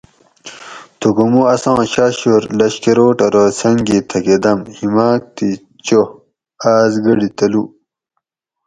تھوکو مو اساں شاشور لشکروٹ ارو سنگ گی تھکہ دم ہیماک تھی چو آس گڑی تلو